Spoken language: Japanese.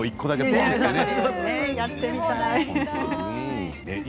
やってみたい。